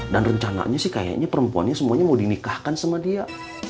rencananya sih kayaknya perempuannya semuanya mau dinikahkan sama dia